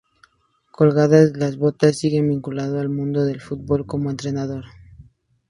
Colgadas las botas, sigue vinculado al mundo del fútbol como entrenador.